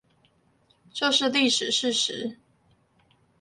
這是歷史事實